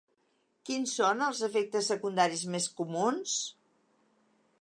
Quins són els efectes secundaris més comuns?